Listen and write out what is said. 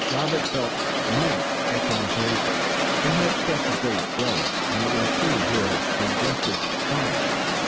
Robert felt immense exultation. They had struck a great blow, and it was he who had suggested the plan.